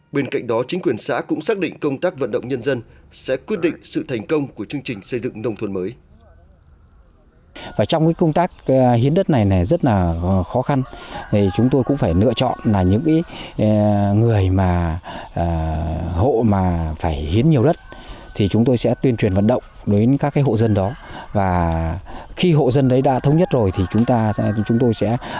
bên cạnh đó chính quyền xã cũng xác định công tác vận động nhân dân sẽ quyết định sự thành công của chương trình xây dựng nông thuần mới